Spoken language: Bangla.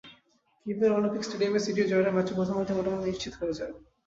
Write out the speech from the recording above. কিয়েভের অলিম্পিক স্টেডিয়ামে সিটির জয়টা ম্যাচের প্রথমার্ধেই মোটামুটি নিশ্চিত হয়ে যায়।